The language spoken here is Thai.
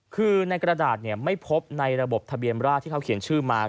คือในกระดาษไม่พบในระบบทะเบียนราชที่เขาเขียนชื่อมา